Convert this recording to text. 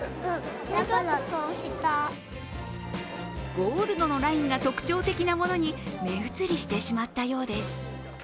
ゴールドのラインが特徴的なものに目移りしてしまったようです。